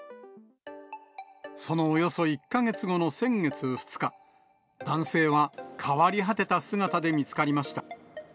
そのおよそ１か月後の先月２日、男性は変わり果てた姿で見つかりました。